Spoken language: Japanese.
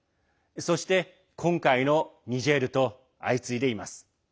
そして、今回のニジェールと相次いでいます。